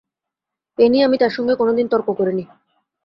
এ নিয়ে আমি তাঁর সঙ্গে কোনোদিন তর্ক করি নি।